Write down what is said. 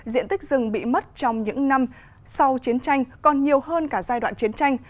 diện tích rừng bị mất trong những năm sau chiến tranh còn nhiều hơn cả giai đoạn chiến tranh